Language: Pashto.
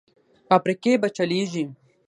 فابریکې به چلېږي؟